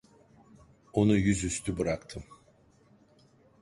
Onu yüzüstü bıraktım.